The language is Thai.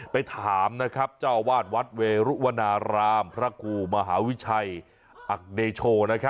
ไปถามเจ้าวาดวัดเวรุวนารามพระครูมหาวิชัยอักเดโช